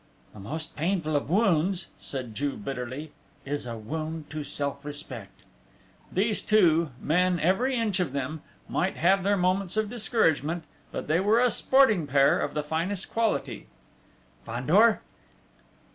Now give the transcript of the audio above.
"The most painful of wounds," said Juve bitterly, "is a wound to self respect!..." These two, men every inch of them, might have their moments of discouragement, but they were a sporting pair of the finest quality. "Fandor!"